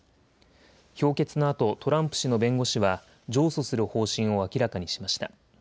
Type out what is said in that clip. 評決のあとトランプ氏の弁護士は上訴する方針を明らかにしました。